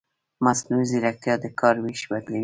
مصنوعي ځیرکتیا د کار وېش بدلوي.